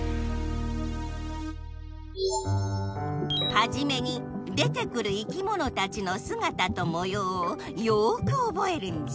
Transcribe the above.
はじめに出てくるいきものたちのすがたともようをよくおぼえるんじゃ。